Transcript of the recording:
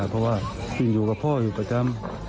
เพราะว่ากินอยู่กับพ่ออยู่ประจำ